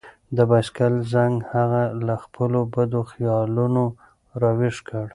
د بایسکل زنګ هغه له خپلو بدو خیالونو راویښ کړ.